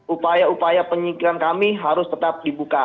upaya upaya penyikiran kami harus tetap dibuka